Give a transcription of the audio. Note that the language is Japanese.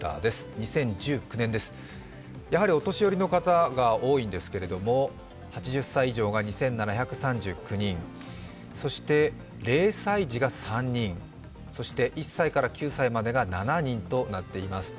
２０１９年です、やはりお年寄りの方が多いんですけど、８０歳以上が２７３９人、そして０歳児が３人そして１歳から９歳までが７人となっています。